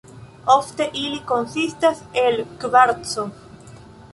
Ofte ili konsistas el kvarco.